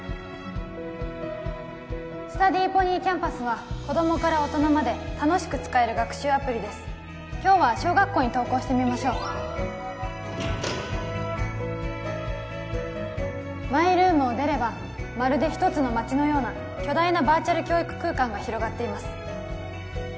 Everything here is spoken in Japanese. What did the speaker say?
スタディーポニーキャンパスは子供から大人まで楽しく使える学習アプリです今日は小学校に登校してみましょうマイルームを出ればまるで一つの街のような巨大なバーチャル教育空間が広がっています